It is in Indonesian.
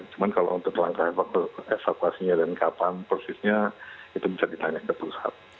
cuma kalau untuk langkah evakuasinya dan kapan persisnya itu bisa ditanya ke pusat